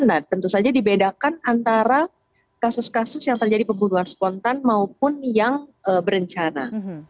nah tentu saja dibedakan antara kasus kasus yang terjadi pembunuhan spontan maupun yang berencana